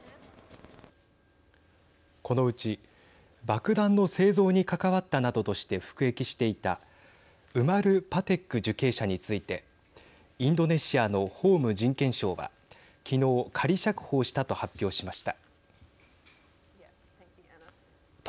このうち爆弾の製造に関わったなどとして服役していたウマル・パテック受刑者についてインドネシアの法務・人権省は昨日仮釈放したと発表しました。